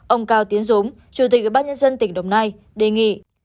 ông cao tiến dũng chủ tịch bác nhân dân tỉnh đồng nai đề nghị